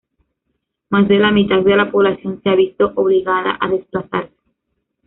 Más de la mitad de la población se ha visto obligada a desplazarse.